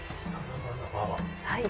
はい。